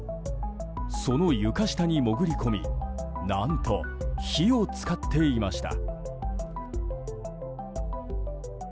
その床下に潜り込み何と火を使っていました。